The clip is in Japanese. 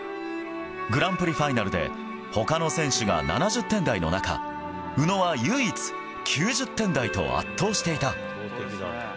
グランプリファイナルでほかの選手が７０点台の中、宇野は唯一９０点台と圧倒していた。